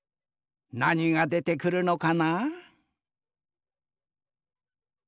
なにがでてくるのかな？